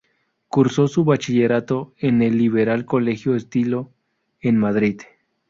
Cursó su bachillerato en el liberal Colegio Estilo, en Madrid.